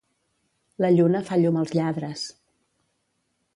La lluna fa llum als lladres.